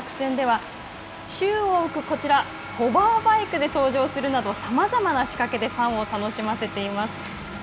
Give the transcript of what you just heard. そして、ホーム開幕戦では宙を浮く、こちらホバーバイクで登場するなどさまざまな仕掛けでファンを楽しませています。